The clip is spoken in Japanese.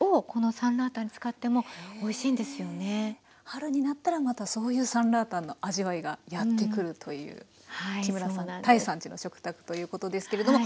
春になったらまたそういうサンラータンの味わいがやって来るという木村さん多江さんちの食卓ということですけれども。